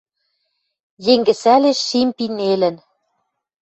Йӹнгӹсӓлеш шим Пи нелӹн